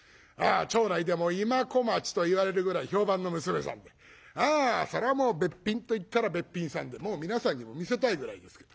町内でも今小町と言われるぐらい評判の娘さんであそりゃもうべっぴんといったらべっぴんさんでもう皆さんにも見せたいぐらいですけど。